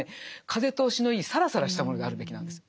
風通しのいいサラサラしたものであるべきなんです。